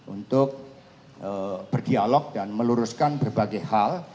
untuk berdialog dan meluruskan berbagai hal